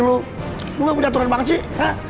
lo gak punya aturan banget sih